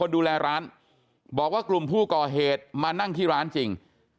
ดูแลร้านบอกว่ากลุ่มผู้ก่อเหตุมานั่งที่ร้านจริง